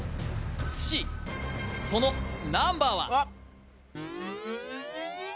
津市そのナンバーは？